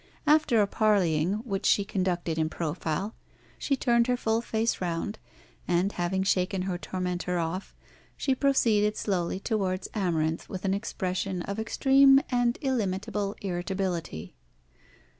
After a parleying, which she conducted in profile, she turned her full face round, and having shaken her tormentor off, she proceeded slowly towards Amarinth, with an expression of extreme and illimitable irritability.